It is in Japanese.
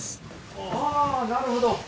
ああなるほど。